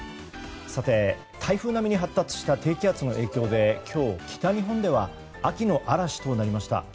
さて、台風並みに発達した低気圧の影響で今日、北日本では秋の嵐となりました。